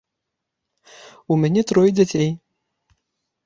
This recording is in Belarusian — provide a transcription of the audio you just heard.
У мяне трое дзяцей.